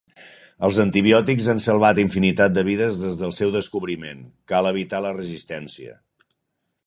Els antibiòtics han salvat infinitat de vides des del seu descobriment, cal evitar la resistència.